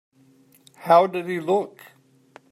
How did he look?